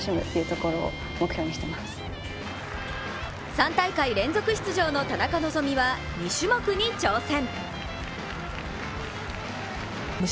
３大会連続出場の田中希実は２種目に挑戦。